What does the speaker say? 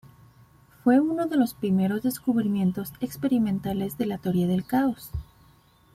Fue uno de los primeros descubrimientos experimentales de la Teoría del caos.